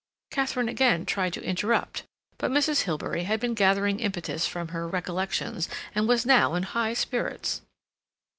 Katharine again tried to interrupt. But Mrs. Hilbery had been gathering impetus from her recollections, and was now in high spirits.